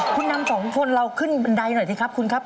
คุณนำสองคนเราขึ้นบันไดหน่อยสิครับคุณครับ